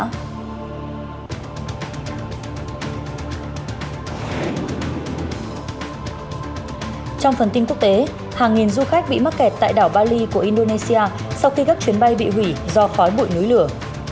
trong phần tin quốc tế hàng nghìn du khách bị mắc kẹt tại đảo bali của indonesia sau khi các chuyến bay bị hủy do khói bụi núi lửa